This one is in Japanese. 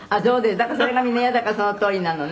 「だからそれがみんな嫌だからそのとおりになるのね」